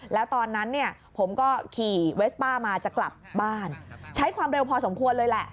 แล้วตอนนั้นเนี่ยผมก็ขี่เวสป้ามาจะกลับบ้านใช้ความเร็วพอสมควรเลยแหละ